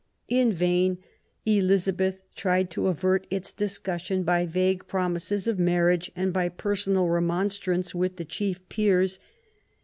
In vain Elizabeth tried to avert its discussion by vague promises of marriage and by personal remonstrance with the chief peers.